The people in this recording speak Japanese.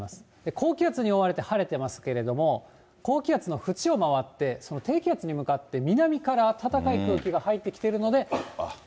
高気圧に覆われて晴れていますけども、高気圧の縁を回って、低気圧に向かって南から暖かい空気が入ってきてるので。